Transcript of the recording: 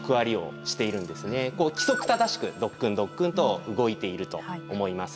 規則正しくドックンドックンと動いていると思います。